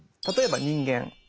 例えば人間。